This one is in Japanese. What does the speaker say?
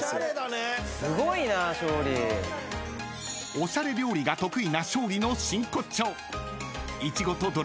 ［おしゃれ料理が得意な勝利の真骨頂］